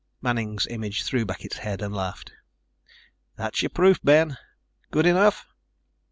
Manning's image threw back its head and laughed. "That's your proof, Ben. Good enough?"